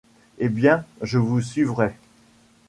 Eh bien… je vous suivrai…